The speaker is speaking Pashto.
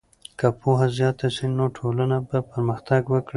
که پوهه زیاته سي نو ټولنه به پرمختګ وکړي.